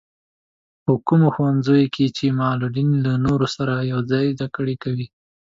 په کومو ښوونځیو کې چې معلولين له نورو سره يوځای زده کړې کوي.